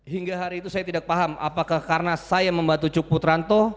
hingga hari itu saya tidak paham apakah karena saya membantu cuk putranto